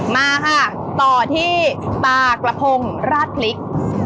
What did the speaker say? มาค่ะต่อที่ปลากระพงราดพริก